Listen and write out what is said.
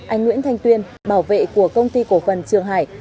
anh nguyễn thanh tuyên bảo vệ của công ty cổ phần trường hải